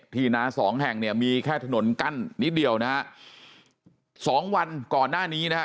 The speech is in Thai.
นาสองแห่งเนี่ยมีแค่ถนนกั้นนิดเดียวนะฮะสองวันก่อนหน้านี้นะฮะ